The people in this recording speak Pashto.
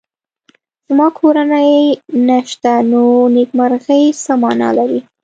زما کورنۍ نشته نو نېکمرغي څه مانا لري